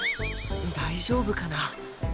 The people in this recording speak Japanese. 大丈夫かな？